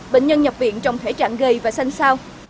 bệnh nhân nhập viện trong thể trạng gây và xanh sao